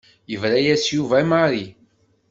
Yebra-yas Yuba i Mary.